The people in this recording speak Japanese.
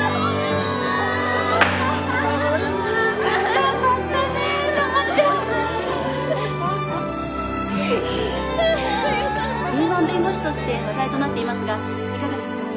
頑張ったね友ちゃん・敏腕弁護士として話題となっていますがいかがですか？